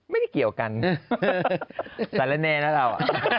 ไม่ได้เกี่ยวกันแต่แหล่นแน่นะเรา